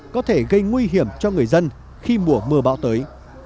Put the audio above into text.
có thể gây nguy hiểm cho người dân khi mùa mưa bão tới